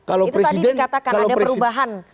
itu tadi dikatakan ada perubahan